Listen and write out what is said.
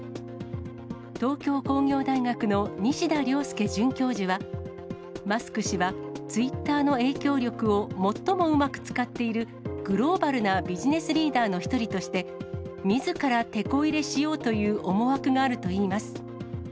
東京工業大学の西田亮介准教授は、マスク氏は、Ｔｗｉｔｔｅｒの影響力を最もうまく使っているグローバルなビジネスリーダーの一人として、みずからてこ入れしようという思惑があるといいます。